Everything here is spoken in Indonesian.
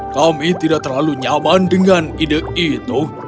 kami tidak terlalu nyaman dengan ide itu